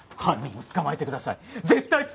絶対捕まえてください！